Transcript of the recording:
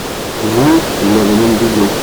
Vous, vous l’avez même doublé.